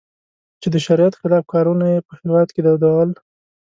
چې د شریعت خلاف کارونه یې په هېواد کې دودول.